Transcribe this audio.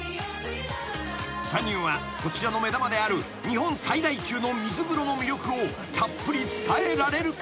［３人はこちらの目玉である日本最大級の水風呂の魅力をたっぷり伝えられるか？］